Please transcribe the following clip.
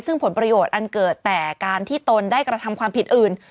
ซึ่งผลประโยชน์อันเกิดแต่การที่ตนได้กระทำความผิดอื่น